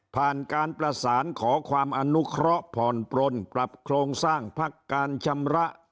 ผ่านการประสานขอความอนุเคราะห์ผ่อนปลนปรับโครงสร้างพักการชำระ